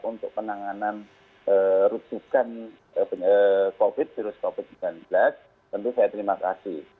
untuk penanganan rusukan covid virus covid sembilan belas tentu saya terima kasih